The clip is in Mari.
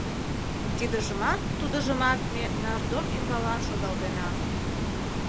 Тидыжымат, тудыжымат ме нардом ӱмбалан шогалтена.